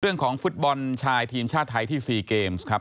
เรื่องของฟุตบอลชายทีมชาติไทยที่๔เกมส์ครับ